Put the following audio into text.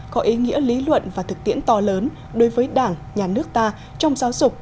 có ý nghĩa lý luận và thực tiễn to lớn đối với đảng nhà nước ta trong giáo dục